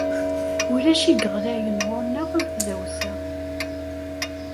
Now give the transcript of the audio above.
Ulac i yeɣlayen ɣur-neɣ am tdawsa.